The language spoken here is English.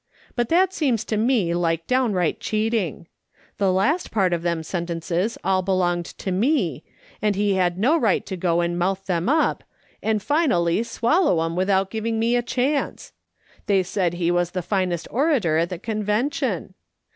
But that seems to me like downright cheating. The last part of them sentences all belonged to me, and he had no right to go and mouth them up, and finally swallow 'em without giving me a chance. They said he was the finest orator at the Convention.